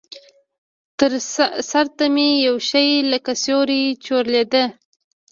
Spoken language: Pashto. سر ته مې يو شى لکه سيورى چورلېده.